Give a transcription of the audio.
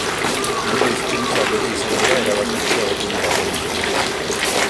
Gure hizkuntza beti izango da erabat gutxiagoturik dagoen hizkuntza.